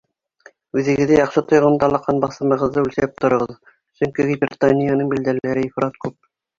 Үҙегеҙҙе яҡшы тойғанда ла ҡан баҫымығыҙҙы үлсәп тороғоҙ, сөнки гипертонияның билдәләре ифрат күп.